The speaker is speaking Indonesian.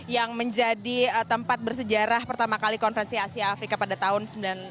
yang menjadi tempat bersejarah pertama kali konferensi asia afrika pada tahun seribu sembilan ratus sembilan puluh